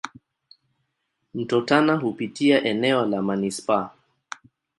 Mto Tana hupitia eneo la manispaa.